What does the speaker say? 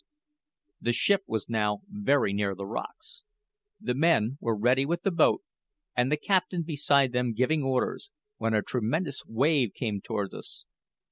The ship was now very near the rocks. The men were ready with the boat, and the captain beside them giving orders, when a tremendous wave came towards us.